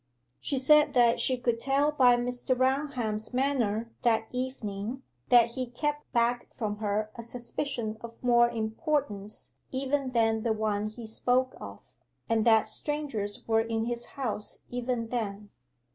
She said that she could tell by Mr. Raunham's manner that evening, that he kept back from her a suspicion of more importance even than the one he spoke of, and that strangers were in his house even then.